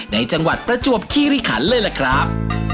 จังหวัดประจวบคิริขันเลยล่ะครับ